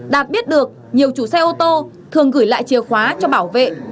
đạt biết được nhiều chủ xe ô tô thường gửi lại chìa khóa cho bảo vệ